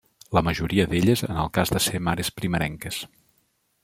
La majoria d'elles en el cas de ser mares primerenques.